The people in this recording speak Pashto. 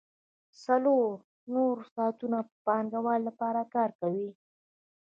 څلور نور ساعتونه یې د پانګوال لپاره کار کاوه